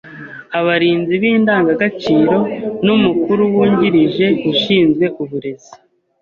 abarinzi b’indangagaciro n’umukuru wungirije ushinzwe uburezi